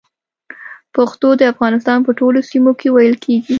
پښتو د افغانستان په ټولو سيمو کې ویل کېږي